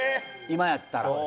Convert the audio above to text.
今やったら。